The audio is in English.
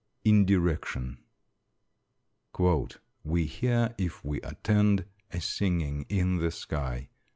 INDIRECTION. "We hear, if we attend, a singing in the sky."